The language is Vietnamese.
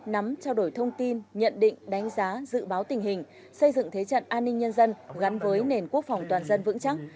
nắm trao đổi thông tin nhận định đánh giá dự báo tình hình xây dựng thế trận an ninh nhân dân gắn với nền quốc phòng toàn dân vững chắc